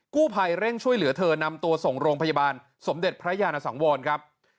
กู้ภัยเร่งช่วยเหลือเธอนำตัวส่งโรงพยาบาลสมเด็จพระยานสังวรครับ